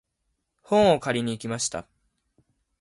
本を借りに行きました。